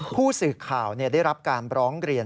ผู้สื่อข่าวได้รับการร้องเรียน